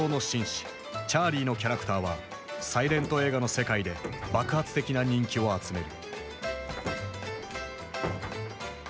チャーリーのキャラクターはサイレント映画の世界で爆発的な人気を集める。